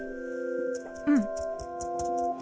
うん。